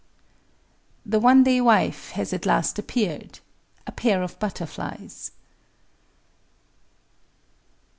[_The one day wife has at last appeared—a pair of butterflies!